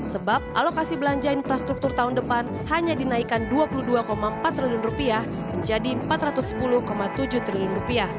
sebab alokasi belanja infrastruktur tahun depan hanya dinaikkan rp dua puluh dua empat triliun menjadi rp empat ratus sepuluh tujuh triliun